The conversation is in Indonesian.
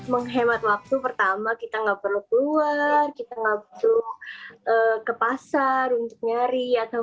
menghemat waktu pertama kita nggak perlu keluar kita nggak perlu ke pasar untuk nyari atau